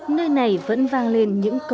nơi này vẫn vang lên những khóa